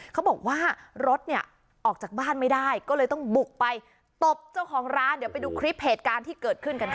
เขาบอกว่ารถเนี่ยออกจากบ้านไม่ได้ก็เลยต้องบุกไปตบเจ้าของร้านเดี๋ยวไปดูคลิปเหตุการณ์ที่เกิดขึ้นกันค่ะ